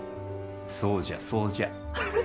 そうじゃそうじゃ。